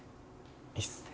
いいですね。